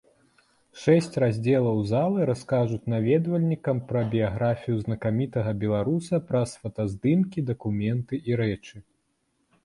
Шэсць раздзелаў залы раскажуць наведвальнікам пра біяграфію знакамітага беларуса праз фотаздымкі, дакументы і рэчы.